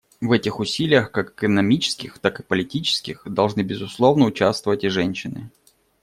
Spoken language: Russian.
В этих усилиях, как экономических, так и политических, должны, безусловно, участвовать и женщины.